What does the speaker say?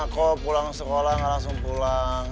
kok pulang sekolah gak langsung pulang